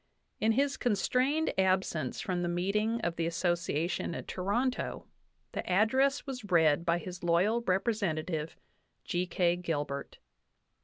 In his constrained absence from the meeting of the Association at Toronto, the address was read by his loyal representative, G. K. Gilbert.